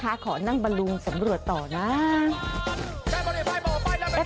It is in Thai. สำรวจต่อก่อนนะคะขอนั่งบรรลุงสำรวจต่อน้าาาา